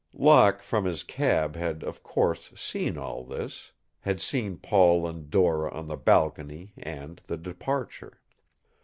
Locke from his cab had, of course, seen all this, had seen Paul and Dora on the balcony and the departure.